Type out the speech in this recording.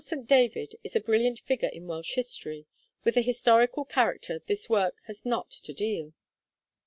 The traditional St. David is a brilliant figure in Welsh story; with the historical character this work has not to deal.